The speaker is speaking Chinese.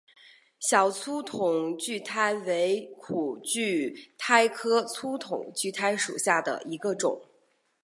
小粗筒苣苔为苦苣苔科粗筒苣苔属下的一个种。